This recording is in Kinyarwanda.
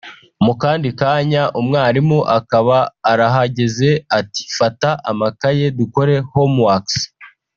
Mu kandi kanya umwarimu akaba arahageze ati fata amakaye dukore “homeworks”